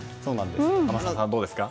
天達さん、どうですか？